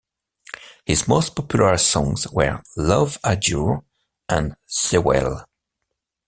His most popular songs were "Love Adure" and "Sawale".